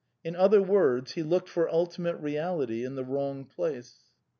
In other words, he looked for ultimate reality in the wro place.